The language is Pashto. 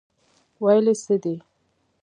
ویل یې څه دي.